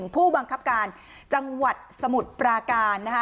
ผู้บังคับการจังหวัดสมุทรปราการนะคะ